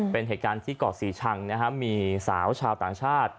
เป็นเหตุการณ์ที่เกาะศรีชังนะครับมีสาวชาวต่างชาติ